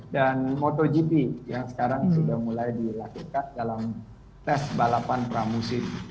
dan motogp yang sekarang sudah mulai dilakukan dalam tes balapan pramusim